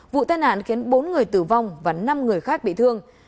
vụ tai nạn khiến bốn người tử vong và năm người khác bị thương